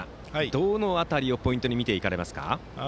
どの辺りをポイントに見ていかれますか？